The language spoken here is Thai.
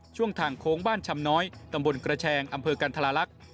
ช่วงทางโค้งบ้านชำน้อยตำบลกระแชงอำเภอกันทราลักษณ์